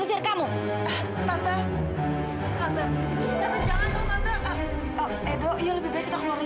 sekarang ana m micrownya makanku